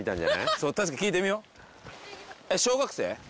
そう確かに聞いてみようえっ小学生？